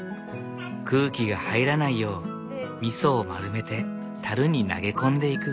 空気が入らないよう味噌を丸めてたるに投げ込んでいく。